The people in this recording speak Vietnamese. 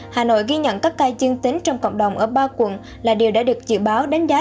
hà nội ghi nhận các ca dương tính trong cộng đồng ở ba quận là điều đã được dự báo đánh giá